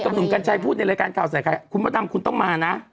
เหมือนกันชายพูดในรายการข่าวสายขายคุณพระตำคุณต้องมานะ